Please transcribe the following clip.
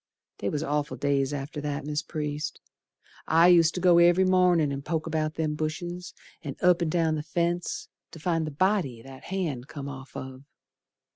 They was awful days after that, Mis' Priest, I used ter go every mornin' and poke about them bushes, An' up and down the fence, Ter find the body that hand come off of.